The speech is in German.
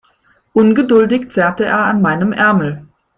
Ungeduldig zerrte er an meinem Ärmel.